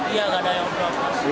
iya nggak ada yang berlepas